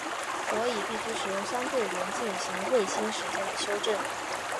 所以必须使用相对论进行卫星时间的修正。